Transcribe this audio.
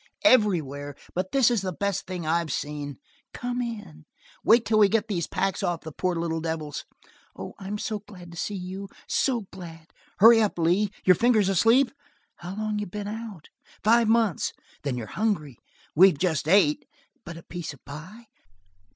Everywhere! but this is the best thing I've seen. Come in. Wait till we get these packs off the poor little devils. Oh, I'm so glad to see you; so glad! Hurry up, Lee. Your fingers asleep? How long have you been out? Five months. Then you're hungry. We've just ate. But a piece of pie?